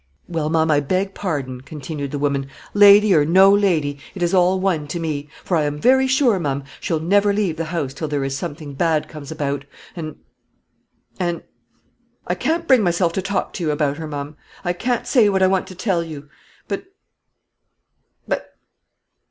"Well, ma'am, I beg pardon," continued the woman; "lady or no lady, it is all one to me; for I am very sure, ma'am, she'll never leave the house till there is something bad comes about; and and . I can't bring myself to talk to you about her, ma'am. I can't say what I want to tell you: but but